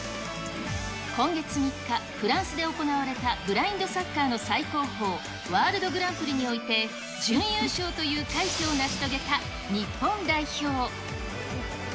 今月３日、フランスで行われたブラインドサッカーの最高峰、ワールドグランプリにおいて準優勝という快挙を成し遂げた日本代表。